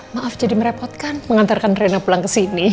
maaf jadi merepotkan mengantarkan rena pulang ke sini